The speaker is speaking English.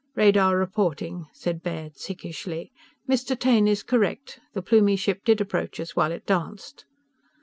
"Radar reporting," said Baird sickishly. "Mr. Taine is correct. The Plumie ship did approach us while it danced."